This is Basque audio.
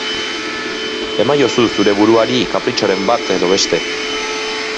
Emaiozu zure buruari kapritxoren bat edo beste.